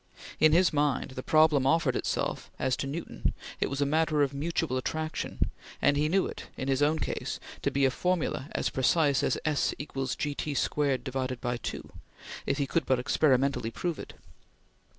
In his mind the problem offered itself as to Newton; it was a matter of mutual attraction, and he knew it, in his own case, to be a formula as precise as s = gt^2/2, if he could but experimentally prove it.